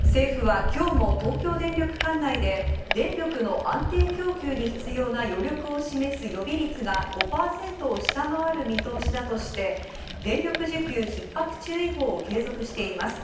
政府は今日も東京電力管内で電力の安定供給に必要な余力を示す予備率が５％を下回る見通しだとして、電力需給ひっ迫注意報を継続しています。